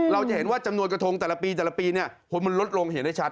เราจะเห็นว่าจำนวนกระทงแต่ละปีแต่ละปีเนี่ยคนมันลดลงเห็นได้ชัด